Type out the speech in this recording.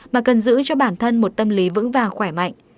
mà cần giữ cho bản thân một tâm lý vững vàng khỏe mạnh